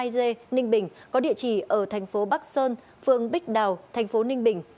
ba nghìn năm trăm linh hai d ninh bình có địa chỉ ở tp bắc sơn phường bích đào tp ninh bình